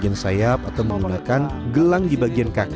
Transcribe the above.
bisa menggunakan cat di bagian sayap atau menggunakan gelang di bagian kaki